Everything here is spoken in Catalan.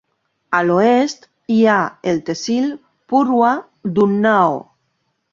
A l'oest hi ha el tehsil Purwa d'Unnao.